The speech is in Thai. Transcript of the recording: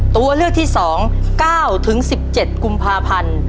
ตัวเลือกที่๒๙๑๗กุมภาพันธ์